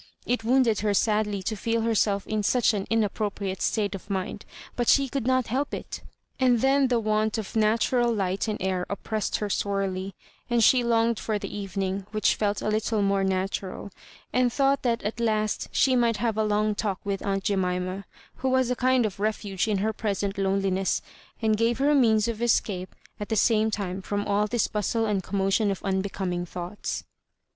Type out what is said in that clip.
It wounded her sadly to feel herself m such an in appropriate state of mind, but she could not help it ; and then the want of natural light and air oppressed her sorely, and she longed for the evening, which felt a little more natural, and thought that at hist she might have a long talk with aunt Jemima, who was a kind of refuge in her present loneliness, and gave her a means of escape at the same time from all this bustle and commotion of unbecoming thoughts.